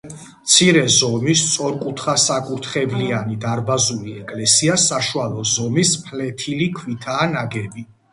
მცირე ზომის სწორკუთხასაკურთხევლიანი დარბაზული ეკლესია საშუალო ზომის ფლეთილი ქვითაა ნაგები.